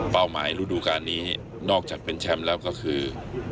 หมายรูดูการนี้นอกจากเป็นแชมป์แล้วก็คือ